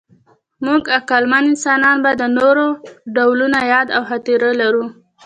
موږ عقلمن انسانان به د نورو ډولونو یاد او خاطره لرو.